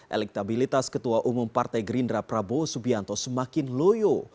elektabilitas ketua umum partai gerindra prabowo subianto semakin loyo